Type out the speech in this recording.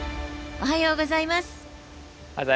おはようございます。